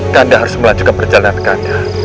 kanda harus melanjutkan perjalanan kanda